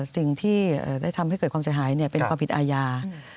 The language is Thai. สิ่งที่ได้ทำให้เกิดความเสียหายเป็นความผิดอาญา